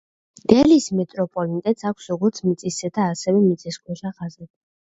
დელის მეტროპოლიტენს აქვს როგორც მიწისზედა, ასევე მიწისქვეშა ხაზები.